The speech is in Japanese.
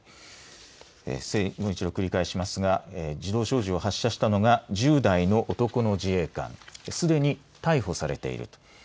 もう１度繰り返しますが自動小銃を発射したのが１０代の男の自衛官、すでに逮捕されていると。